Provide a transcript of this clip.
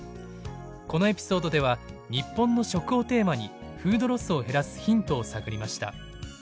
このエピソードでは日本の食をテーマにフードロスを減らすヒントを探りました。